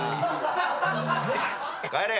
帰れ。